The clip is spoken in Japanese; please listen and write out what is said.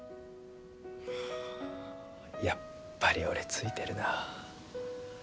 やっぱり俺ツイてるな。